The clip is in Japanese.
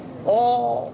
あぁ。